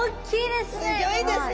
すギョいですね！